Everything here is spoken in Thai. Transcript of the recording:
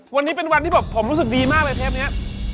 วันนี้เป็นวันที่แบบผมรู้สึกดีมากเลยเทปนี้